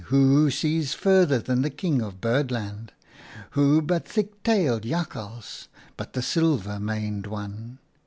who sees further than the King of Birdland ? Who but thick tailed Jakhals, but the Silver maned One?